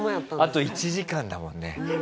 あと１時間だもんね。